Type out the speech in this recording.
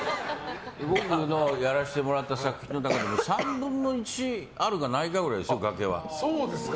僕のやらせてもらった作品の中でも３分の１あるかないかくらいですそうですか。